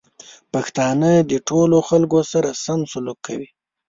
پښتانه د ټولو خلکو سره سم سلوک کوي.